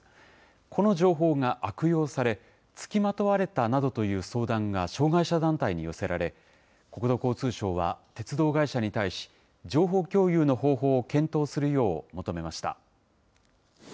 この情報が悪用され、付きまとわれたなどという相談が障害者団体に寄せられ、国土交通省は鉄道会社に対し、情報共有の方法を検討するよう求めました。